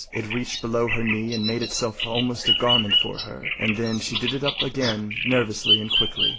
It reached below her knee and made itself almost a garment for her. And then she did it up again nervously and quickly.